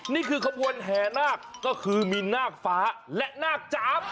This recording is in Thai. นี่คือขบวนแห่นาคก็คือมีนาคฟ้าและนาคจาบ